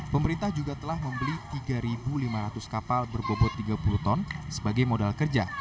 pemerintah juga telah membeli tiga lima ratus kapal berbobot tiga puluh ton sebagai modal kerja